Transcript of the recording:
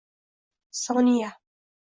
soniya